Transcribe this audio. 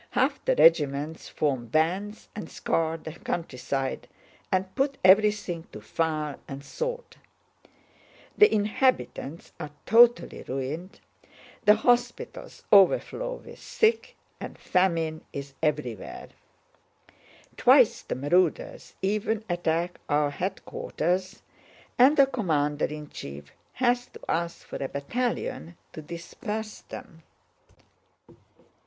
Half the regiments form bands and scour the countryside and put everything to fire and sword. The inhabitants are totally ruined, the hospitals overflow with sick, and famine is everywhere. Twice the marauders even attack our headquarters, and the commander in chief has to ask for a battalion to disperse them.